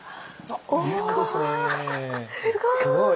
すごい！